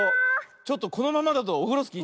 ちょっとこのままだとオフロスキー。